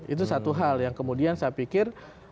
itu satu hal yang kemudian saya pikir